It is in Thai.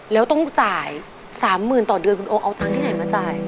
แล้วต้องจ่าย๓๐๐๐ต่อเดือนคุณโอเอาตังค์ที่ไหนมาจ่าย